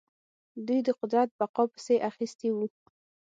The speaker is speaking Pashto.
دوی د قدرت بقا پسې اخیستي وو.